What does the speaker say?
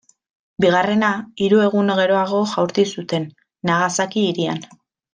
Bigarrena, hiru egun geroago jaurti zuten, Nagasaki hirian.